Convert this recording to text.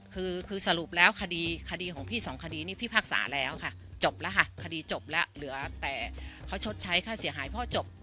คือคือสรุปแล้วคดีของพี่สองคดีนี่พี่พากษาแล้วค่ะจบแล้วค่ะคดีจบแล้วเหลือแต่เขาชดใช้ค่าเสียหายพ่อจบ